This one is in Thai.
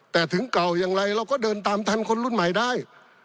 แต่ถึงเก่าอย่างไรเราก็เดินตามทันคนรุ่นใหม่ได้